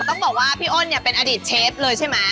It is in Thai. ต้องบอกว่าพี่อ้นเนี่ยเป็นอดีตเชฟเลยใช่ไหม